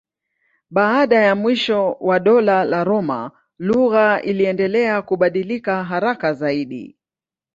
Baada ya mwisho wa Dola la Roma lugha iliendelea kubadilika haraka zaidi.